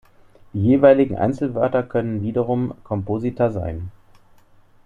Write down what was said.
Die jeweiligen Einzelwörter können wiederum Komposita sein.